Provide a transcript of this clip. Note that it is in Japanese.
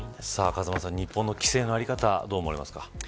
風間さん、日本の規制の在り方どう思われますか。